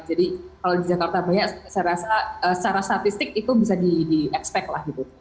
kalau di jakarta banyak saya rasa secara statistik itu bisa di expect lah gitu